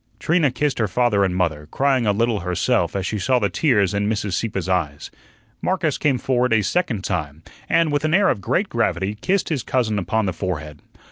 Trina kissed her father and mother, crying a little herself as she saw the tears in Mrs. Sieppe's eyes. Marcus came forward a second time, and, with an air of great gravity, kissed his cousin upon the forehead.